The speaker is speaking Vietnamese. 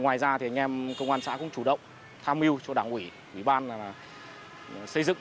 ngoài ra thì anh em công an xã cũng chủ động tham mưu cho đảng ủy ủy ban xây dựng